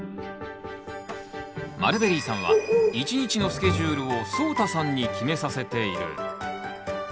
マルベリーさんは１日のスケジュールをそうたさんに決めさせている。